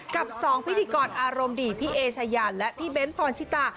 กับ๒พิธีกรอารมณ์ดีพี่เอชายานและพี่เบ้นพรชิตา